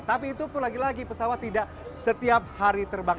tapi itu pun lagi lagi pesawat tidak setiap hari terbang